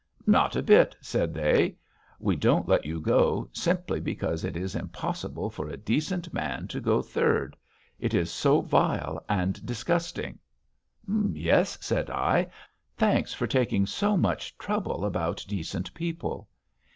'Not a bit,' said they. 'We don't let you go, simply because it is impossible for a decent man to go third. It is so vile and disgusting.' 'Yes,' said I. 'Thanks for taking so much trouble about decent people.